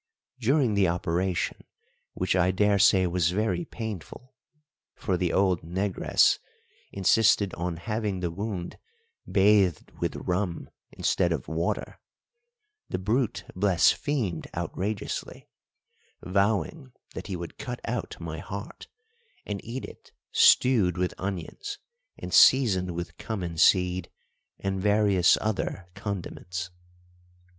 During the operation, which I daresay was very painful, for the old negress insisted on having the wound bathed with rum instead of water, the brute blasphemed outrageously, vowing that he would cut out my heart and eat it stewed with onions and seasoned with cummin seed and various other condiments.